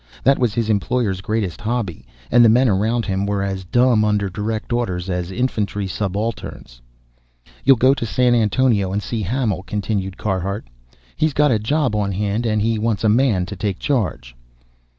That was his employer's greatest hobby, and the men around him were as dumb under direct orders as infantry subalterns. "You'll go to San Antonio and see Hamil," continued Carhart. "He's got a job on hand and he wants a man to take charge."